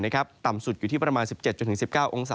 ในแต่ละพื้นที่เดี๋ยวเราไปดูกันนะครับ